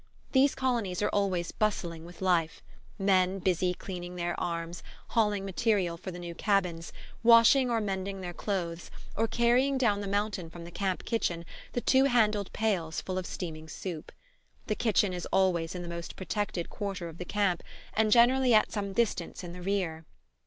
These colonies are always bustling with life: men busy cleaning their arms, hauling material for new cabins, washing or mending their clothes, or carrying down the mountain from the camp kitchen the two handled pails full of steaming soup. The kitchen is always in the most protected quarter of the camp, and generally at some distance in the rear.